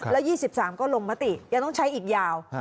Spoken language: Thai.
แล้ว๒๓ก็ลงมติยังต้องใช้อีกยาว